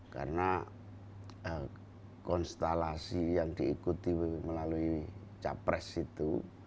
karena konstelasi yang diikuti melalui capres itu